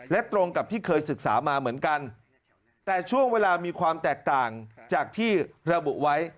และตรงกับที่เคยศึกษามาเหมือนกันแต่ช่วงเวลามีความแตกต่างจากที่ระบุไว้